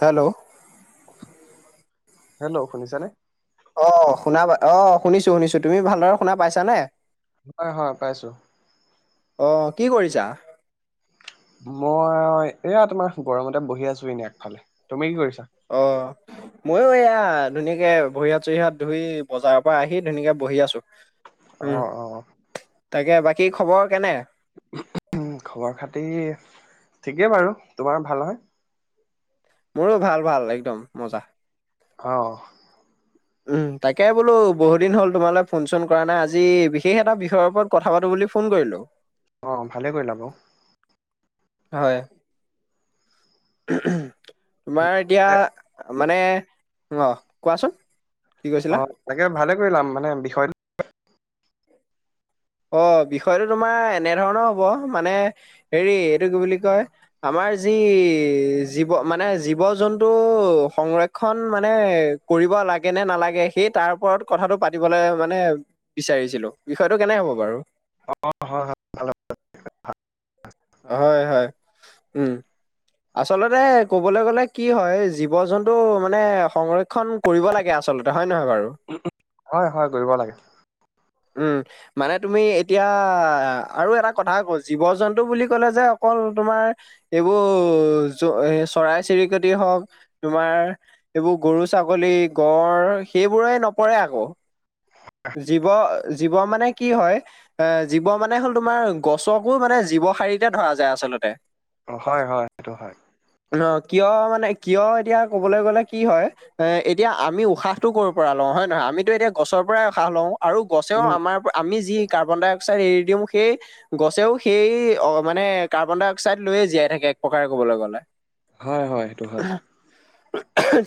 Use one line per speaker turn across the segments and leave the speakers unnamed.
Hello.
Hello শুনিছা নে?
অ' শুনাবা অ' শুনিছো শুনিছো তুমি ভালদৰে শুনা পাইছানে।
হয়, হয়, পাইছো।
অহ' কি কৰিছা।
মই এয়া তোমাৰ গৰমতে বহি আছো এনে আগফালে তুমি কি কৰিছা।
অ' ময়ো এয়েয়া ধুনীয়াকে ভৰিয়াত চৰিয়াত ধুই বজাৰৰ পৰা আহি ধুনীয়াকে বহি আছো। উম
অ' অ'।
তাকে বাকী খবৰ কেনে [unintelligible]
খবৰ খাতি ঠিকেই বাৰু, তোমাৰ ভাল নহয়।
মোৰো ভাল ভাল একদম মজা [unintelligible]
অ'অ'
উম তাকে বোলো বহু দিন হ'ল তোমালে ফোন চোন কৰা নাই আজি বিশেষ এটা বিষয়ৰ ওপৰত কথা পাতো [unintelligible] বুলি ফোন কৰিলো।
অ' ভালে কৰিলা বাৰু।
হয়। তোমাৰ এতিয়া মানে আহ' কোৱাচোন। কি কৈছিলা
অ' তাকে ভালে কৰিলা মানে বিষয়টো।
অ' বিষয়টো তোমাৰ এনেধৰণৰ হ'ব। মানে হেৰি এইটো কি বুলি কয় আমাৰ। মানে যি জীৱ জন্তুৰ সংৰক্ষণ কৰি লাগে নে নালাগে সেই তাৰ ওপৰত কথাটো পাতিবলৈ মানে বিচাৰিছিলো। বিষয়টো কেনে হ'ব। বাৰু
অ হয় হয় ভালাল [unintelligible]
হয় হয় উম' আচলতে ক'বলৈ গ'লে কি হয় জীৱ জন্তু [unintelligible] টো মানে সংৰক্ষণ কৰিব লাগে আচলতে, হয় নহয় বাৰু,
হয় কৰিব লাগে [unintelligible]
উম' মানে তুমি এতিয়া আৰু এটা কথা আৰু আকৌ জীৱ জন্তু বুলি ক'লে যে অকল। ল তোমাৰ এইবোৰ চৰাই চিৰিকটি হওক তোমাৰ [unintelligible] এইবোৰ গৰু ছাগলী গঁড় সেইবোৰেই নপৰে আকৌ জীৱ, জীৱ মানে কি হয় এ জীৱ মানে হ'ল তোমাৰ গছকো মানে জীৱ শাৰিতে ধৰা যায় আচলতে [unintelligible] আচলতে,
অ হয় হয় সেইটো হয় [unintelligible]
ন কিয় মানে কিয়, এতিয়া ক'বলৈ গ'লে কি হয় এ এতিয়া আমি উশাহটো কৰ পৰা লওঁ। হয় নহয় আমিতো এতিয়া গছৰ পৰাই উসাহ লওঁ আৰু গছেও
উম
আমাৰ আমি যি [unintelligible] কাৰ্বন ডাই অক্সাইড এৰি দিও সেই গছেও সেই অ মানে কাৰ্বন ডাই অক্সাইড লৈয়ে জীয়াই থাকে। এক প্ৰকাৰে কবলৈ গ'লে [unintelligible]
হয় হয় সেইটো হয়।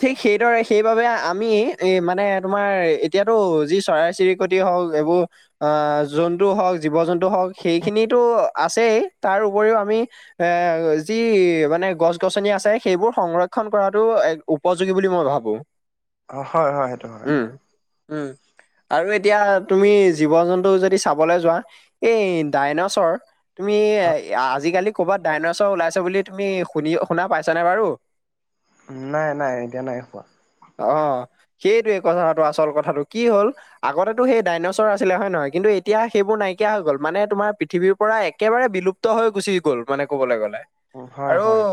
ঠিক সেইদৰে সেইবাবে আমি এই মানে তোমাৰ এতিয়াতো যি চৰাই চিৰিক [unintelligible] কটি হক এইবোৰ অ জন্তু হওক জীৱ জন্তু হওক সেইখিনিৰটো আছে এই, তাৰ তাৰ উপৰিও আমি এ যি মানে গছ গছনি আছে সেইবোৰ সংৰক্ষণ কৰাটো [unintelligible] উপযোগী বুলি মই ভাবোঁ।
হয় হয় সেইটো হয় [unintelligible]
উম' আৰু এটা এতিয়া তুমি জীৱ জন্তু যদি চাবলৈ যোৱা এই ডাইনছৰ তুমি
হয়
আজিকালি ক'ৰবাত ডাইনছ ওলাইছে বুলি তুমি শুনি শুনা পাইছা নে বাৰু
নাই নাই এতিয়া নাই হোৱা
অ সেইটোৱে কথাটো আচল কথাটো কি হ'ল আগতেো সেই ডাইনছৰ আছিলে হয় নহয় কিন্তু এতিয়া সেইবোৰ নাইকিয়া হৈ গ'ল মানে তোমাৰ পৃথিৱীৰ পৰা একেবাৰে লুপ্ত হৈ গুচি গ'ল মানে ক'বলৈ গ'লে
হয়
আৰু
হয়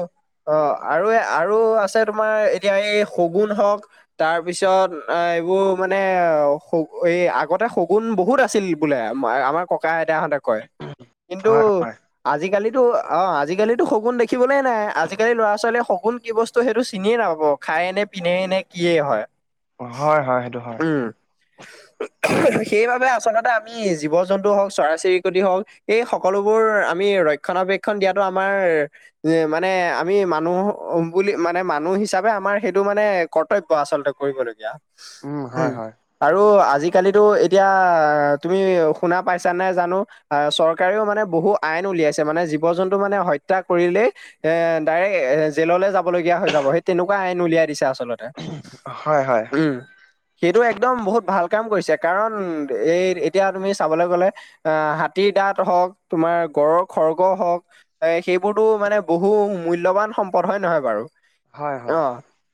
অ আৰু আৰু আছে তোমাৰ এতিয়া এই শগুন হওক তাৰপিছত এইবোৰ মানে এই আগতে শগুন বহুত আছিল বোলে আমাৰ কক ইতাহঁতে কয় কিন্তু
হয় হয়
আজিকালিত টো অ আজিকালি শ সগুন দেখিবলে নাই আজিকালি ল'ৰা ছোৱালীয়ে শগুন কি বস্তু সেইটো চিনিয়ে নাপাব খ খায় নে পিন্ধেই নে কিয়ে হয়
হয় হয় সেইটো হয়
উ সেইবাবে আচলতে আমি জীৱ জন্তু হওক চৰাই চিৰিকটি হওক এই সকলোবোৰ আমি ৰক্ষ ৰক্ষণাবেক্ষণ দিয়াতটো আমাৰ উ মানে আমি মানুহ বুলি মানে মানুহ হিচাপে আমাৰ সেইটো মানে কৰ্তব্য আচলতে কৰিবলগীয়া
উম হয় হয়।
আৰু আজিকালিতো এতিয়া তুমি শুনা পাইছা নে জানো আহ চৰকাৰেও মানে ব বহু আইন উলিয়াইছে মানে জীৱ জন্তু মানে হত্যা কৰিলেই এ ডাইৰেক্ট এ জেললৈ যাবলগীয়া হৈ যাব সেই তেনেকুৱা আইন উলিয়াই দিছে আচলতে,
হয় হয়
উম সেইটো একদম বহুত ভাল কাম কৰিছে কাৰণ এই এতিয়া তুমি চাবলৈ গলে অ হাতীৰ দাঁত হওক তোমাৰ গড়ৰ খৰ্গ হওক এ সেইবোৰতো মানে বহু মূল্য়বান সম্পদ হয় নহয় বাৰু
হয় হয়
অ
হয়।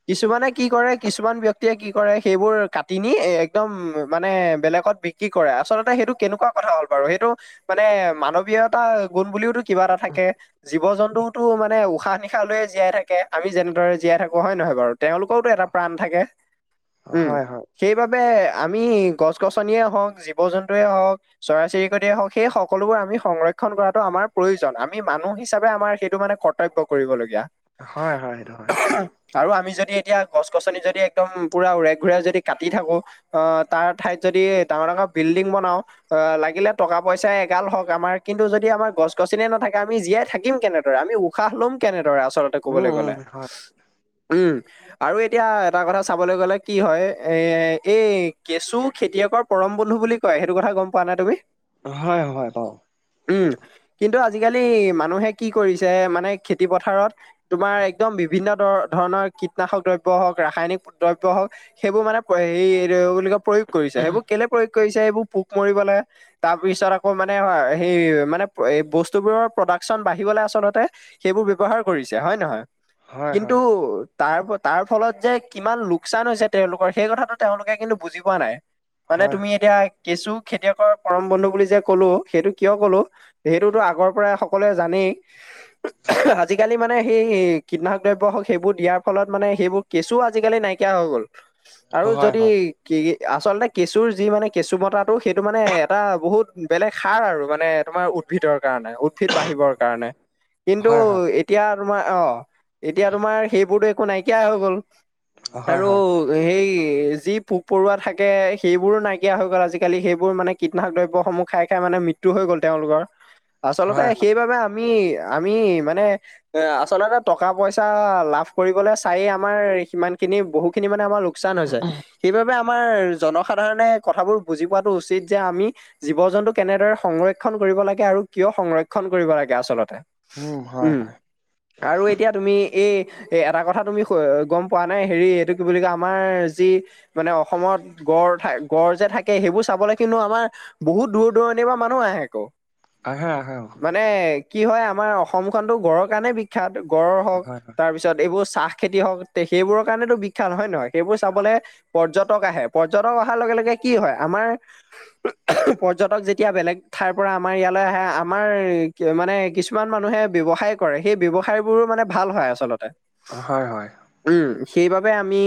কিছুমানে কি কৰে কিছুমান ব্যক্তিয়ে কি কৰে সেইবোৰ কাট কিনি একদম মানে বেলেগত বিক্ৰী কৰে আচলতে সেইটো কেনেকুৱা কথা হ'ল বাৰু সেইটো মানে এ মানৱীয়তা গুণ বুলিওতো কিবা এটা থাকে জীৱ জন্তু [unintelligible] মানে উশাহ নিশাহ লয়ে জীয়াই থাকে আমি যেনেদৰে জীয়াই থাকো, হয় নহয় বাৰু? তেওঁলোকৰওতো এটা প্ৰাণ থাকে, উম।
হয়
সেইবাবে আমি গছ গছনিয়ে হওক, জীৱ জন্তুৱয়ে হওক, চৰাই চিৰিকটয়ে হওক সেই সকলো সকলোবোৰ আমি সংৰক্ষন কৰাটো আমাৰ প্ৰয়োজন আমি মানুহ হিচাপে আমাৰ সেইটো মানে কৰ্তব্য কৰিব লগীয়া।
হয় হয় সেইটো হয়।
আৰু আমি যদি এতিয়া গছ গছনি যদি একদম পুৰা উৰাই ঘূৰাই যদি কাটি থাকো অ তাৰ ঠাইত যদি ডাঙৰ ডাঙৰ বিল্ডিং বনাও অ লাগিলে টকা পইচা গাল হওক আমাৰ কিন্তু যদি আমাৰ গছ গছনিয়ে নাথাকে আমি জীয়াই থাকিম কেনেদৰে আমি উশাহ ল'ম কেনেদৰে আচলতে
উম
কবলৈ গ'লে,
উম হয়
উম আৰু এতিয়া এটা কথা চাবলৈ গ'লে কি হয়, এ এই কেঁচু খেতিয়কৰ পৰম বন্ধু বুলি কয় সেইটো কথা গম পোৱা নাই তুমি?
হয় হয় পাও,,
উম কিন্তু আজিকালি মানুহে কি কৰিছে মানে খেতি পথাৰত তোমাৰ একদম বিভিন্ন ধৰণৰ কীটনাশক দ্ৰব্য হওক ৰাসায়নিক দ্ৰব্য হওক- সেইবোৰ মানে হে এই বুলি প্ৰয়োগ কৰিছে সেইবোৰ কেলে প্ৰয়োগ কৰিছে সেইবো পোক মৰিবলৈ তাৰ পিছত আকৌ মানে সেই মানে বস্তুোৰৰ প্ৰদা-' চন বাঢ়িবলৈ আচলতে সেইবোৰ ব্যৱহাৰ কৰিছে হয় নহয়?
হয়
কিন্তু
হয়
তাৰ তাৰ ফলত যে কিমান লোকচান হৈছে তেওঁলোকৰ সেই কথাটো তেওঁলোকে কিন্তু বুজি পোৱা নাই মানে
হয়
তুমি
হয়
এতিয়া কেঁচু খেতিয়কৰ পৰম বন্ধু বুলি যে কলো সেইটো কিয় কলো সেইটোতো আগৰ পৰাই সকলোৱে জানেই আজিকালি মানে সেই কীনাশক দ্ৰব হওঁক সেইবোৰ দিয়াৰ ফলত মানে সেইবোৰ ছু আজিকালি নাইকিয়া হৈ গ'ল আৰু
হয়
যদি
হয়
কি কি আচলতে কেঁচুৰ যি মানে কেঁচু বতাটো সেইটো মানে এটা বহুত বেলেগ সাৰ আৰু মানে তোমাৰ উদ্ভিদৰ। কাৰণে উদ্ভিদ বাঢ়িবৰ কাৰণে কিন্তু
হয়
এতিয়া তোমাৰ অ এতিয়া তোমাৰ সেইবোৰতো একো নাইকিয়া হৈ গল,
হয় হয়
আৰু এই যি পোক পৰুৱা থাকে সেইবোৰো নাইকিয়া হৈ গ'ল আজিকালি, সেইবোৰ মানে কীটনাশক দ্ৰব্যসমূহ খাই খাই মানে মৃত্যু হৈ গ'ল তেওঁলোকৰ আচলতে
হয় হয়
সেইবাবে আমি আমি মানে এ আচলতে টকা পইচা লাভ কৰিবলে চাইে আমাৰ সিমান খিনি বহু খিনি মানে আমাৰ লোকচান হৈছে সেইবাবে আমাৰ জনসাধাৰণে কথাবোৰ বুজি পোৱাটো উচিত যে আমি জীৱ জন্তু কেনেদৰে সংৰক্ষন কৰি কৰিব লাগে আৰু কিয় সংৰক্ষণ কৰিব লাগে আচলতে?
হয়
উম
হয়
আৰু এতিয়া তুমি এই এটা কথা তুমি গম পোৱা নাই হেৰি এইটো কি বুলি কয় আমাৰ যি মানে অসমত গড় থাক গড় যে থাকে সেইবোৰ চাবলৈ কিন্তু আমাৰ বহুত দূৰ দূৰণিৰ পৰা মানুহ আহে আকৌ।
আহে আহে অ।
মানে কি হয় আমাৰ অসমখনটো গড়ৰ কাৰণে বিখ্যাত গড়ৰ হওক
হয়
তাৰ পিছত এইবোৰ চাহ খেতি হওক সেইবোৰৰ কাৰণেতো বিখ্যাত হয়ে নহয়, সেইবোৰ চাবলে পৰ্যটক আহে পৰ্যটক অহাৰ লগে লগে কি হয় আমাৰ পৰ্যটক যেতিয়া বেলেগ ঠাইৰ পৰা আমাৰ ইয়ালৈ আহে আমাৰ মানে কিছুমান মানুহে ব্যৱসায় কৰে সেই ব্যৱসায়বোৰো মানে ভাল হয় আচলতে।
হয় হয়।
উম, সেইবাবে আমি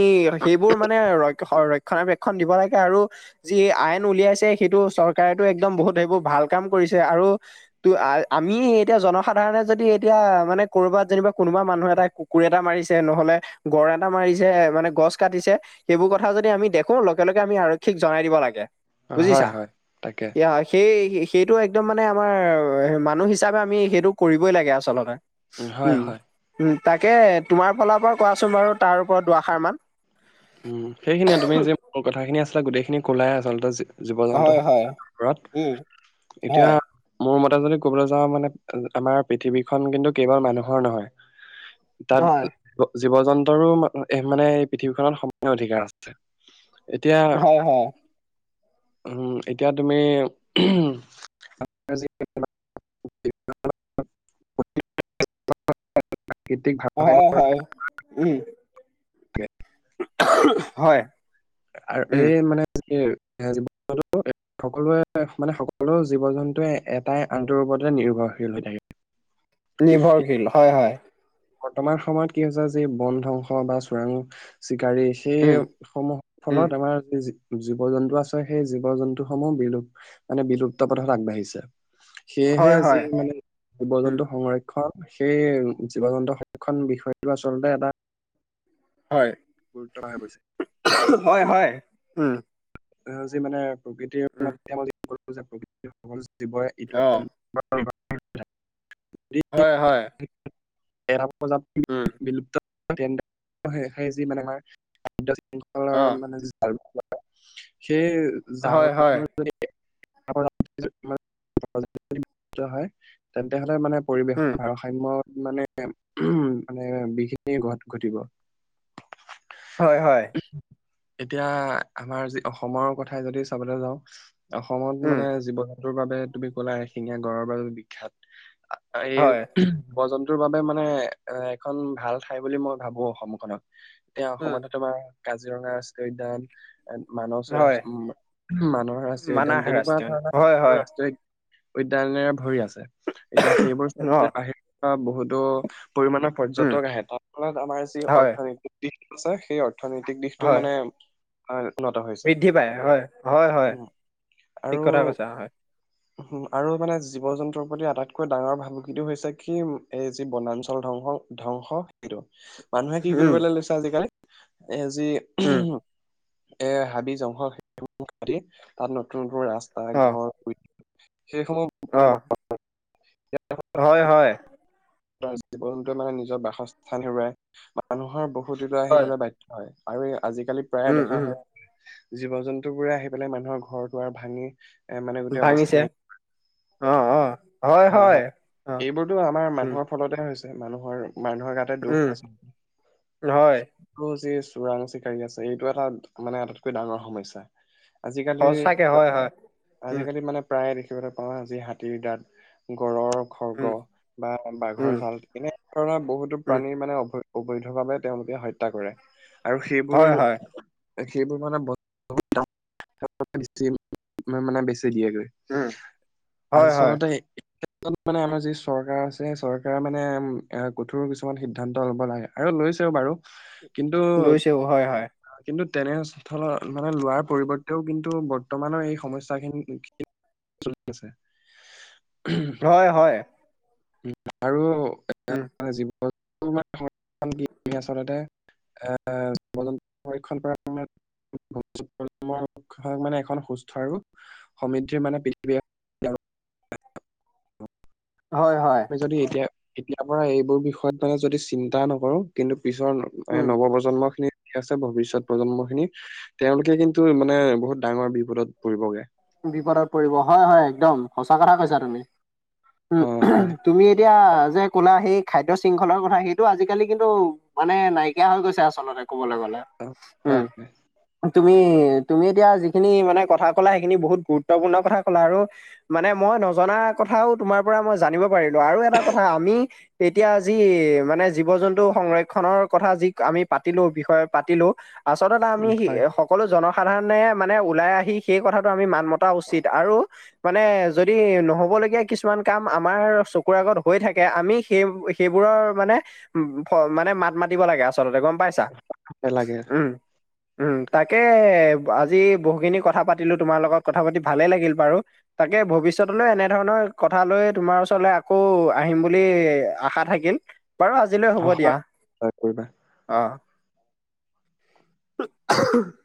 সেইবোৰ মানে ৰ ৰক্ষণাবেক্ষণ দিব লাগে আৰু যি আইন উলিয়াইছে সেইটো চৰকাৰেতো একদম বহুত সেইবোৰ ভাল কাম কৰিছে আৰু ত আমি এতিয়া জনসাধাৰণে যদি এতিয়া মানে কৰ'বাত যেনিবা কোনোবা মানুহ এটা কুকুৰ এটা মাৰিছে নহলে গড় এটা মাৰিছে যে মানে গছ কাটিছে সেইবোৰ কথা যদি আমি দেখো লগে লগে আমি আৰক্ষীক জনাই দিব লাগে বুজিছা,
হয় হয় তাকে
কি হয় সেই সেইটো একদম মানে আমাৰ মানুহ হিচাপে আমি সেইটো কৰিবই লাগে আচলতে।
হয়
উম
হয়
উম তাকে তোমাৰ ফালাৰ পৰা কোৱাচোন বাৰু তাৰ ওপৰত দুআষাৰ মান।
উম সেইখিনিয়ে তুমি যে মোৰ কথাখিনি আছিলে গোটেইখিনি কলাই আচলতে। জীৱ জন্তু
হয়, হয়,
কৰাৰত
উম,
এতিয়া
হয়,
মোৰ মতে এটা যদি কবলৈ যাওঁ মানে আমাৰ পৃথিৱীখন কিন্তু কেৱল মানুহৰ নহয় তাত
হয়,
জীৱ জন্তুৰো মানে পৃথিৱীখনত অধিকাৰ আছে এতিয়া
হয় হয়
উম এতিয়া তুমি [unintelligible]
[inaudible]
প্ৰাকৃতিক ভাৰসাম্য
হয় হয় উম
থাকে
হয়
আৰু
উম,
এই মানে কি জীৱ জ সকলোৱে মানে সকলো জীৱ জন্তুৱে এটাই আটোৰ ওপৰতে নিৰ্ভৰ ৰ্ভৰশীল হৈ থাকে
নিৰ্ভৰশীল হয় হয়
বৰ্তমান সময়ত কি হৈছে যে বন ধ্বংস বা চোৰাং চিকাৰী সেই
উম,
সমূহৰ
উম,
ফলত আমাৰ য জীৱ জন্তু আছে সেই জীৱ জন্তুসমূহ বিলুপ মানে বিলুপ্ত পথত আগবাঢ়িছে সেয়েহে
হয়,
আজি
হয়,
মানে জীৱ
উম,
জন্তু সংৰক্ষণ সেই জীৱ জন্তু সংৰক্ষণ বিষয়টো আচলতে এটা
হয়
গুৰুত্ব হৈ পৰিছে।
হয় হয় উ
যি মানে প্ৰকৃতিৰ [unintelligible] ইটোৱে
অ',
[unintelligible]
হয় হয়
এটা প্ৰজাতি
উম,
বিলুপ্ত যি মানে আমাৰ ৰ
অ',
মানে জাল সেই জাল
হয়, হয়,
খনৰ যদি হয় তেন্তে হলে মানে
উম,
পৰিৱেশৰ ভাৰসাম্য মানে উ মানে বিঘিনি ঘট ঘটিব
হয় হয়
এতিয়া আমাৰ যি অসমৰ কথাই যদি চাবলৈ যাওঁ অসমত
উম,
মানে জীৱ বাবে তুমি ক'লা এ শিঙীয়া গড়ৰ বাবে বিখ্যাত এই
হয়,
জীৱ জন্তু ত বাবে মানে এ এখন ভাল ঠাই বুলি মই ভাবো অসমখনত এতিয়া
উম,
অসমতে তোমাৰ কাজিৰঙা ৰাষ্ট্ৰীয় উদ্যান
হয়,
মান মানহ ৰাষ্ট্ৰীয় উদ্যান
মানাহ
তেনেকুৱা
ৰাষ্ট্ৰীয় উদ্যান
ধৰণৰ
হয়,
বহুতো
হয়,
ৰাষ্ট্ৰীয় উদ্যানেৰে ভৰি আছে এতিয়া সেইবোৰ চ
অ',
[unintelligible] বহুতো পৰিমাণৰ
উম,
পৰ্যটক আহে তাৰ ফলত আমাৰ যি
হয়,
অৰ্থনীতি দি আছে সেই অথ অৰ্থনৈতিক দিশটো
হয়,
মানে ভাল উনত হৈছে
বৃদ্ধি পায় হয়, হয়, হয়।
উ
ঠিক
আৰু
কথা কৈছা হয়।
উ আৰু মানে জীৱ জন্তুৰ প্ৰতি আটাই কৈ ডাঙৰ ভাবুকিটো হৈছে কি এই যি বনাঞ্চল ধ্বং ধ্বংস সেইটো মানুহে কি
উম,
কৰিবলৈ লৈছে আজিকালি। এজি
উম,
[unintelligible] এ হাবি জংঘল সেইবোৰ কাটি, তাত নতুন নতুন ৰাস্তা
অ',
ঘৰ সেইসমূহ মানে
অ',
[unintelligible]
হয়, হয়।
জীৱনটোৱে মানে নিজৰ বাসস্থান হেৰুৱাই। মানুহৰ বহু দুটা
হয়,
আহিবলৈ বাধ্য হয়। আৰু আজিকালি প্ৰায়ে
উম,
দেখা
উম।
হয়। জীৱ জন্তু বোৰে আহি পেলাই মানুহৰ ঘৰ দুৱাৰ ভাঙি এ মানে গোটেই অৱস্থা
ভাঙিছে
নাই হয় হয়
অ',
এইবোৰতো আমাৰ
উম,
মানুহৰ ফলত হৈছে মানুহৰ মানুহৰ গাতে দুখ
উম,
আচলতে
হয়।
চোৰাং চিকাৰী আছে এইটো এটা মানে আটাইতকৈ ডাঙৰ সমস্যা আজিকালি
সঁচাকে হয়, হয়, উম,
আজিকালি মানে প্ৰায়ে কিবা এটা পা আজি হাতীৰ দাঁত গডৰ খৰ্গ
উম,
বা ব ঘৰৰ
উম,
ভাল। এনেই ধৰণৰ বহুতো
উম,
প্ৰাণী মানে অবৈ-অবৈধ বাবে তেওঁলোকে হত্যা কৰে। আৰু সেইবোৰ
হয়, হয়,
সেইবোৰ মানে [unintelligible] মানে বেছি। তে দিয়া গৈ।
উম, হয়, হয়।
আচলতে এই ক্ষেত্ৰত মানে আমাৰ যি চৰকাৰ আছে, চৰকাৰ এই মানে কঠোৰ কিছুমান সিদ্ধান্ত ল'ব লাগে আৰু লৈছেও বাৰু। কিন্তু।
লৈছেও হয়, হয়,
কিন্তু তেনে স্থলত মানে লোৱাৰ পৰিৱৰ্তেও কিন্তু বৰ্তমানৰ এই সমস্যাখিনি চলি আছে।
হয় হয়।
আৰু
উম'।
[unintelligible] আচলতে। এ স্বাবলম্বী সংৰক্ষণ কৰাত ক্ৰমে [unintelligible] মানে এখন সুস্থ আৰু সমৃদ্ধিৰ মানে পৃথিৱী এখন [unintelligible]
[inaudible] হয়,
আমি যদি এতিয়া, এতিয়া পৰা এইবোৰ বিষয়ত মানে যদি চিন্তা নকৰোঁ, কিন্তু পিছৰ এ
উম।
নৱপ্ৰজন্মখিনি আছে ভৱিষ্যত প্ৰজন্মখিনি। তেওঁলোকে কিন্তু মানে বহুত ডাঙৰ বিপদত পৰিবগে।
বিপদত পৰিব, হয় হয়। একদম সঁচা কথা কৈছা তুমি।
অ
উম'
হয়
তুমি এতিয়া যে কোলা সেই খাদ্য শৃংখলাৰ কথা, সেইটো আজিকালি কিন্তু মানে নাইকিয়া হৈ গৈছে আচলতে। কবলৈ গ'লে।
অ হয়
উম,
হয়
তুমি তুমি এতিয়া যিখিনি মানে কথা কলা এইখিনি বহুত গুৰুত্বপূৰ্ণ কথা কলা আৰু মানে মই নজনা কথাও তোমাৰ পৰা মই জানিব আৰু এটা কথা আমি। এতিয়া যি মানে, জীৱ-জন্তু সংৰক্ষনৰৰ কথা যি আমি পাতিলো বিষয় পাতিলো। আচলতে দাদা আমি
উম
সি
হয়
সকলো জনসাধাৰণে মানে ওলাই আহি সেই কথা আমি মান মতা উচিত আৰু মানে যদি নহ'বলগীয়া কিছুমান কাম আমাৰ চকু আগত ত' হৈ থাকে আমি সেই, সেইবোৰৰ মানে উম, মানে মাত মাতিব লাগে আচলতে গম গম পাইছা।
লাগে।
উম, উম, তাকে আজি বহুখিনি কথা পাতি পাতিলো তোমাৰ লগত। কথা পাতি ভালে লাগিল বাৰু তাকে ভৱিষ্যতলৈ এনে ধৰণৰ কথা লৈ তোমাৰ ওচৰলৈ আকৌ আহিম বুলি আশা থাকিল। বাৰু আজিলৈ হ'ব
হয়,
দিয়া।
হয় কৰিবা।
অহ। [unintelligible]